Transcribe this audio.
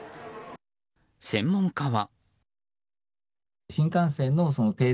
専門家は。